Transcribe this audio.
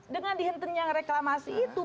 dengan dihentikan reklamasi itu